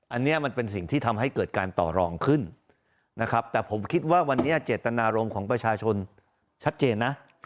อันนี้มันเป็นสิ่งที่ทำให้เกิดการต่อรองขึ้นนะครับแต่ผมคิดว่าวันนี้เจตนารมณ์ของประชาชนชัดเจนนะ